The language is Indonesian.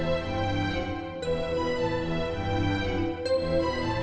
saya mau ke hotel ini